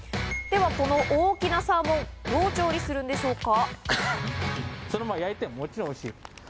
ではこの大きなサーモン、どう調理するんでしょうか？